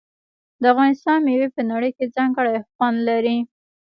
د افغانستان میوې په نړۍ کې ځانګړی خوند لري.